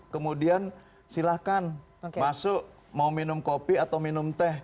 kemudian silahkan masuk mau minum kopi atau minum teh